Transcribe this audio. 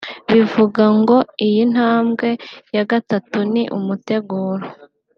Bivuga ngo iyi ntambwe ya gatatu ni umuteguro